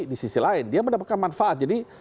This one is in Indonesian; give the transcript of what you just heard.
di sisi lain dia mendapatkan manfaat jadi